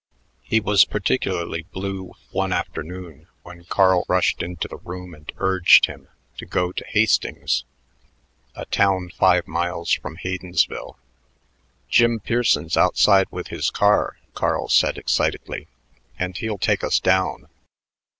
He was particularly blue one afternoon when Carl rushed into the room and urged him to go to Hastings, a town five miles from Haydensville. "Jim Pearson's outside with his car," Carl said excitedly, "and he'll take us down.